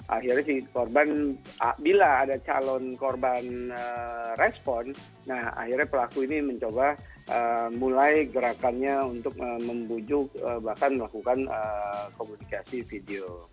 akhirnya si korban bila ada calon korban respon akhirnya pelaku ini mencoba mulai gerakannya untuk membujuk bahkan melakukan komunikasi video